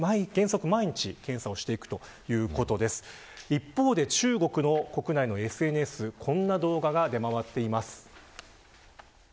一方で、中国国内のＳＮＳではこんな動画が出回っています。